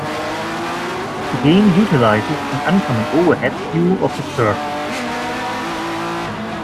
The game utilizes an uncommon overhead view of the court.